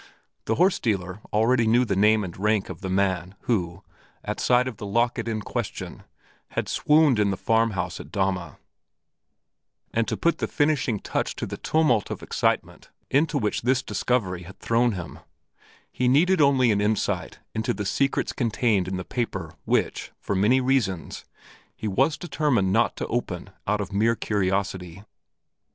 The horse dealer already knew the name and rank of the man who, at sight of the locket in question, had swooned in the farm house at Dahme; and to put the finishing touch to the tumult of excitement into which this discovery had thrown him, he needed only an insight into the secrets contained in the paper which, for many reasons, he was determined not to open out of mere curiosity.